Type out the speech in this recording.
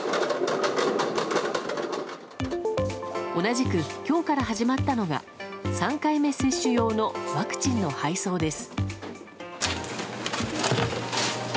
同じく、今日から始まったのが３回目接種用のワクチンの配送です。